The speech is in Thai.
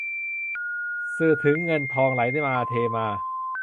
สื่อถึงเงินทองไหลมาเทมา